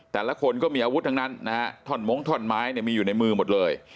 แต่ละคนก็มีอาวุธทั้งนั้นนะฮะท่อนมงท่อนไม้เนี่ยมีอยู่ในมือหมดเลย